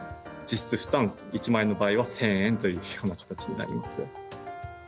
実質負担１万円の場合は１０００円という形になります。